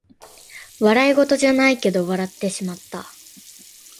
笑いごとじゃないけど笑ってしまった